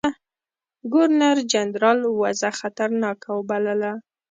ګورنرجنرال وضع خطرناکه وبلله.